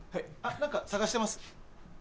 何探してます？